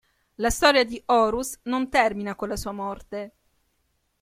La storia di Horus non termina con la sua morte.